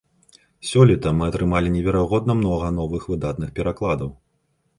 Сёлета мы атрымалі неверагодна многа новых выдатных перакладаў.